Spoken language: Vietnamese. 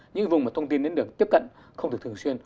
những vùng mà thông tin đến được tiếp cận không được thường xuyên